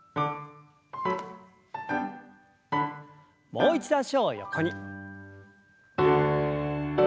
もう一度脚を横に。